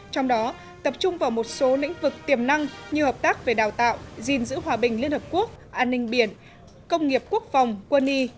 trong đó tập trung vào một số lĩnh vực tiềm năng như hợp tác về đào tạo gìn giữ hòa bình liên hợp quốc an ninh biển công nghiệp quốc phòng quân y